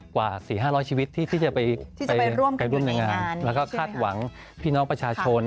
กว่า๔๕๐๐ชีวิตที่จะไปร่วมในงานแล้วก็คาดหวังพี่น้องประชาชน